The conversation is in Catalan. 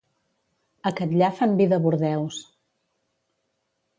A Catllar, fan vi de Bordeus.